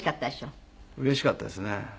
うれしかったですね。